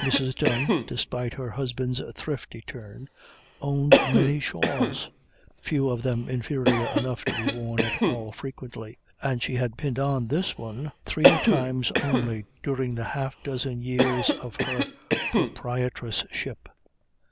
Mrs. Dunne, despite her husband's thrifty turn, owned many shawls, few of them inferior enough to be worn at all frequently, and she had pinned on this one three times only during the half dozen years of her proprietresship.